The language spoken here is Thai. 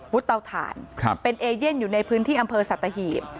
วุฒพ์เต่าแถ่นเป็นบรรทวิเชียร์อยู่ในพื้นที่อำเภอสัตหี